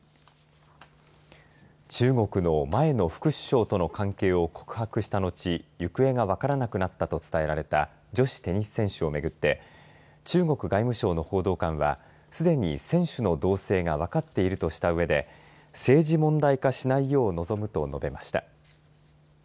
中国の前の副首相との関係を告白したのち行方が分からなくなったと伝えられた女子テニス選手をめぐって中国外務省の報道官はすでに選手の動静が分かっているとしたうえで政治問題化しないよう望むと述べました。